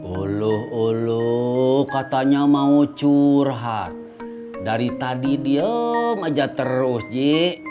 ulu ulu katanya mau curhat dari tadi diem aja terus ji